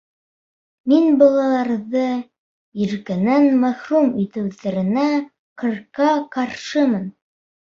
Мин балаларҙы иркенән мәхрүм итеүҙәренә ҡырҡа ҡаршымын.